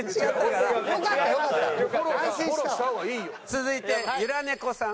続いてゆら猫さん。